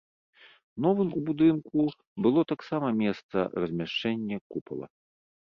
Новым у будынку было таксама месца размяшчэнне купала.